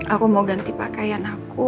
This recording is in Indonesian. aku mau ganti pakaian aku